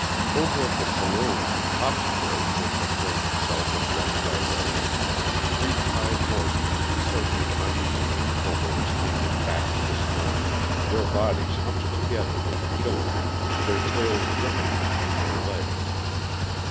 Over at the saloon "Pop's Place," it proclaimed itself in washed out lettering three tied horses circled uneasily until they were standing back to the storm, their bodies hunched together with the chill of it, their tails whipping between their legs.